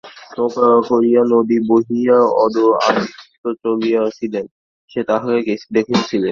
নৌকা করিয়া নদী বাহিয়া উদয়াদিত্য চলিয়াছিলেন, সে তাঁহাকে দেখিয়াছিল।